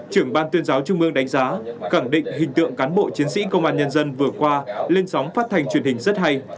trưởng ban tuyên giáo trung ương đánh giá khẳng định hình tượng cán bộ chiến sĩ công an nhân dân vừa qua lên sóng phát thanh truyền hình rất hay